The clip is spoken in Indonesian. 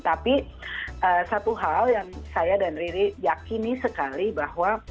tapi satu hal yang saya dan riri yakini sekali bahwa